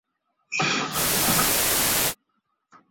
他只是站着沉默不语